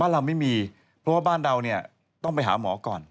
เราไม่มีเพราะว่าบ้านเราต้องไปหาหมอก่อน